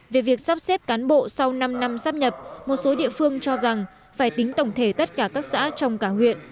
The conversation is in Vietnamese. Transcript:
về việc sắp xếp cán bộ sau năm năm sắp nhập một số địa phương cho rằng phải tính tổng thể tất cả các xã trong cả huyện